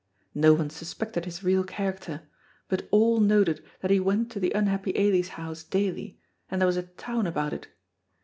No one suspected his real character, but all noted that he went to the unhappy Ailie's house daily, and there was a town about it.